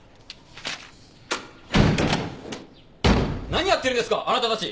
・何やってるんですか！？あなたたち！